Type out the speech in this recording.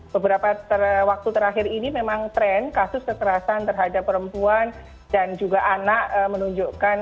beberapa waktu terakhir ini memang tren kasus kekerasan terhadap perempuan dan juga anak menunjukkan